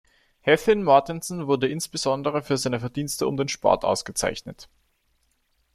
Heðin Mortensen wurde insbesondere für seine Verdienste um den Sport ausgezeichnet.